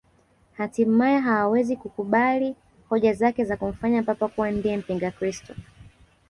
Hatimaye hawawezi kukubali hoja zake za kumfanya Papa kuwa ndiye mpingakristo